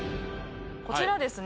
こちらですね